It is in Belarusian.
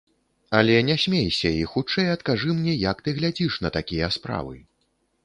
Але не смейся і хутчэй адкажы мне, як ты глядзіш на такія справы.